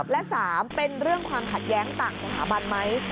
และ๓เป็นเรื่องความขัดแย้งต่างสถาบันไหม